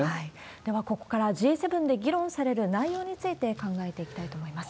ではここから、Ｇ７で議論される内容について考えていきたいと思います。